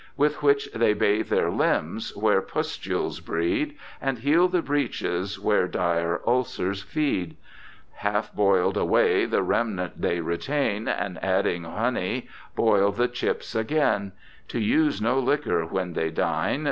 With which they bathe their limbs where pustles breed. And heal the breaches where dire ulcers feed. Half boil'd away the remnant they retain. And adding hony boil the chips again : To use no liquor when they dine.